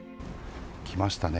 来ましたね。